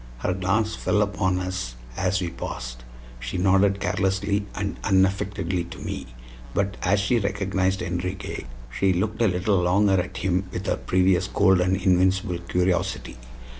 Her glance fell upon us as we passed. She nodded carelessly and unaffectedly to me, but as she recognized Enriquez she looked a little longer at him with her previous cold and invincible curiosity.